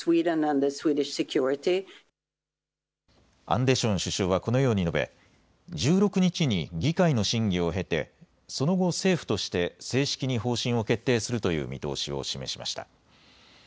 アンデション首相はこのように述べ、１６日に議会の審議を経てその後、政府として正式に方針を決定するという見通しを示しました。